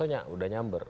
bu diti arso udah nyamber